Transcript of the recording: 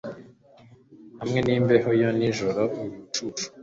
Hamwe n'imbeho ya nijoro ni ubucucu